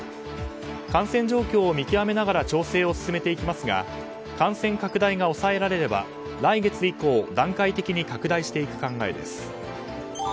感染状況を見極めながら調整を進めていきますが感染拡大が抑えられれば来月以降段階的に拡大していく考えです。